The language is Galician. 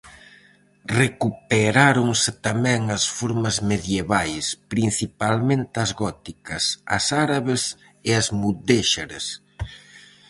Recuperáronse tamén as formas medievais, principalmente as góticas, as árabes e as mudéxares.